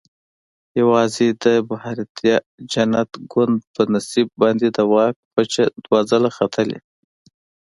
یوازې د بهاریته جنت ګوند په نصیب باندې د واک پچه دوه ځله ختلې.